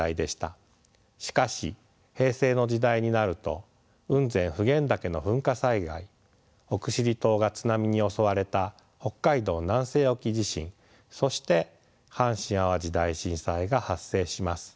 しかし平成の時代になると雲仙普賢岳の噴火災害奥尻島が津波に襲われた北海道南西沖地震そして阪神・淡路大震災が発生します。